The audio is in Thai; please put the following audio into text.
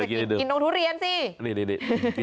กินตรงทุเรียนสินี่